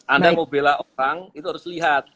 anda mau bela orang itu harus lihat